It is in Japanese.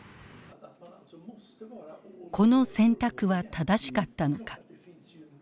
この選択は正しかったのか。